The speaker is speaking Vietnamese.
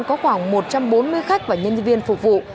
có khoảng một trăm bốn mươi khách và nhân viên phục vụ